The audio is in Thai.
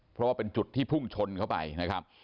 เพราะว่าเป็นจุดที่พุ่งชนเข้าไปนะครับ